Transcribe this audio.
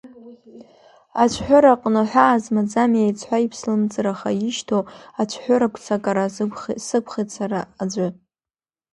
Ацәҳәыраҟны ҳәаа змаӡам, еиҵҳәа, иԥслымӡраха ишьҭоу, ацәҳәыра-гәсакара сықәхеит сара аӡәы.